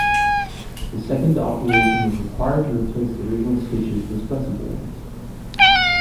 The second operation was required to replace the original stitches with flexible ones.